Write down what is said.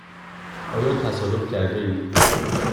آیا تصادف کرده اید؟